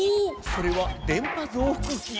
それは電波増幅器。